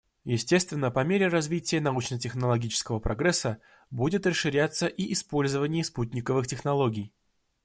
Естественно, по мере развития научно-технологического прогресса будет расширяться и использование спутниковых технологий.